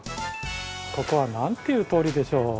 ここはなんていう通りでしょう？